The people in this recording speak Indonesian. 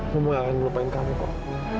mama gak akan lupain kamu kok